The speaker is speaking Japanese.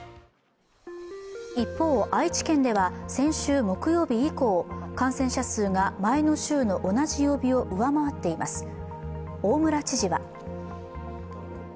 一方、愛知県では先週木曜日以降感染者数が前の週の同じ曜日を上回っています。